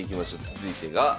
続いてが。